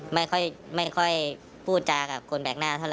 ไม่ค่อยพูดจากับคนแปลกหน้าเท่าไ